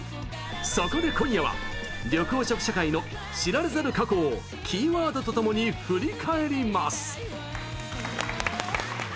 そこで今夜は緑黄色社会の知られざる過去をキーワードとともに振り返ります。